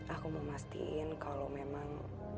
aku mau mastiin kalau memang